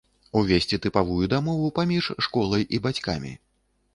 Увесці тыпавую дамову паміж школай і бацькамі.